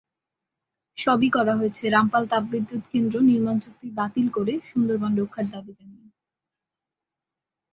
সবই করা হয়েছে, রামপাল তাপবিদ্যুৎকেন্দ্র নির্মাণচুক্তি বাতিল করে সুন্দরবন রক্ষার দাবি জানিয়ে।